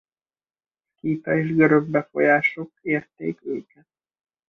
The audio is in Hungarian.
Szkíta és görög befolyások érték őket.